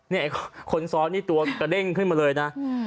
เนี่ยคนซ้อนนี่ตัวก็เร่งขึ้นมาเลยนะ